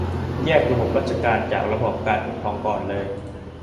แยกระบบราชการจากระบอบการปกครองก่อนเลย